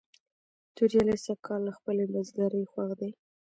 توریالی سږ کال له خپلې بزگرۍ خوښ دی.